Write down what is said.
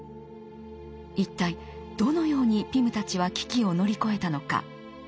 一体どのようにピムたちは危機を乗り越えたのか。